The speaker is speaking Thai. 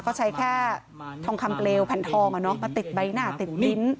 ก็ใช้แค่ทองคำเกลวแผ่นทองอะเนอะมาติดใบหน้าติดฤทธิ์